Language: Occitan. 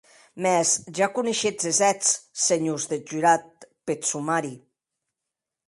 Mès que ja coneishetz es hèts, senhors deth jurat, peth somari.